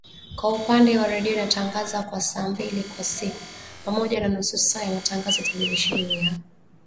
Kwa upande wa redio inatangaza kwa saa mbili kwa siku, pamoja na nusu saa ya matangazo ya televisheni ya Duniani Leo.